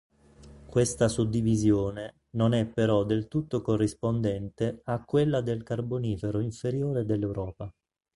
Questa suddivisione non è però del tutto corrispondente a quella del Carbonifero inferiore dell'Europa.